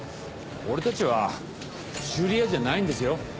俺たちは修理屋じゃないんですよ。